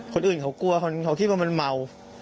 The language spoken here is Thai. คนอื่นเขากลัวเขาคิดว่ามันเมา